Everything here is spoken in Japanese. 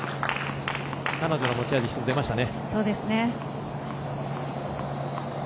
彼女の持ち味が出ましたね。